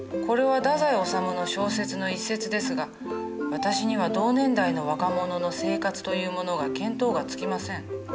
これは太宰治の小説の一節ですが私には同年代の若者の生活というものが見当がつきません。